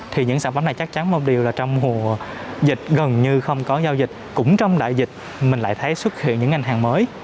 thì những sản phẩm này chắc chắn một điều là trong mùa dịch gần như không có giao dịch cũng trong đại dịch mình lại thấy xuất hiện những ngành hàng mới